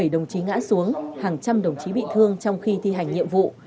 một mươi bảy đồng chí ngã xuống hàng trăm đồng chí bị thương trong khi thi hành nhiệm vụ